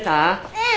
うん！